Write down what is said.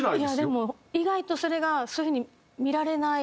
でも意外とそれがそういう風に見られない。